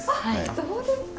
そうですか！